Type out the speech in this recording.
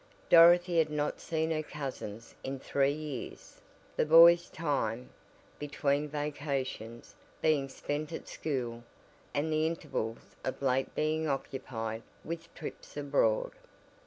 Dorothy had not seen her cousins in three years, the boys' time, between vacations, being spent at school, and the intervals of late being occupied with trips abroad.